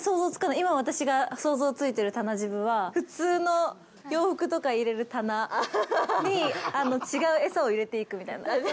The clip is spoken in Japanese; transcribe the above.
今、私が想像ついてる棚ジブは普通の洋服とか入れる棚に違う餌を入れていくみたいな。